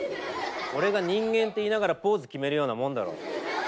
俺が「人間」って言いながらポーズ決めるようなもんだろう。